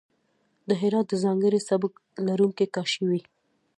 د هرات د ځانګړی سبک لرونکی کاشي وې.